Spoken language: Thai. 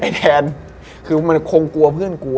ไอ้แท้งคือมันคงกลัวเพื่อนกลัวอะ